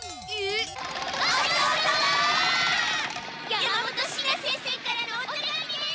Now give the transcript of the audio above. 山本シナ先生からのお手紙です！